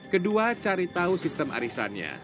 kedua cari tahu sistem arisannya